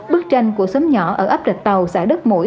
bức tranh của xóm nhỏ ở áp lệch tàu xã đất mũi